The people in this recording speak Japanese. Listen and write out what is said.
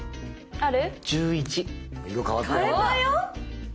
ある！